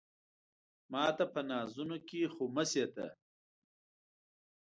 ماته په نازونو کې خو مه شې ته